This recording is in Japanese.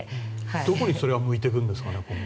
どこに今後それが向いてくるんですかね。